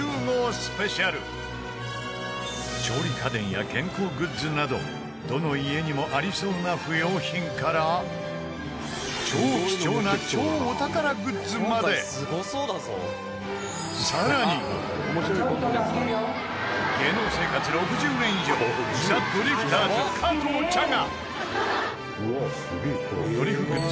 スペシャル調理家電や健康グッズなどどの家にもありそうな不要品から超貴重な、超お宝グッズまで更に、芸能生活６０年以上ザ・ドリフターズ、加藤茶がドリフグッズ